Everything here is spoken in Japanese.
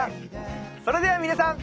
それでは皆さん。